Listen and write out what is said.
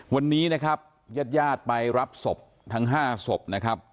วันนี้นะครับญาติญาติไปรับศพทั้ง๕ศพนะครับ